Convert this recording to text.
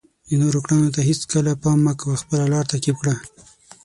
د نورو کړنو ته هیڅکله پام مه کوه، خپله لاره تعقیب کړه.